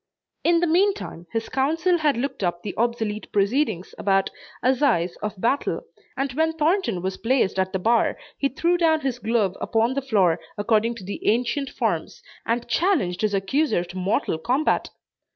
In the mean time his counsel had looked up the obsolete proceedings about "assize of battle," and when Thornton was placed at the bar he threw down his glove upon the floor according to the ancient forms, and challenged his accuser to mortal combat.